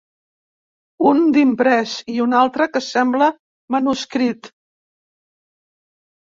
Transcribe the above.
Un d'imprès i un altre que sembla manuscrit.